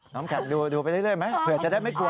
น้ำแข็งดูไปเรื่อยไหมเผื่อจะได้ไม่กลัว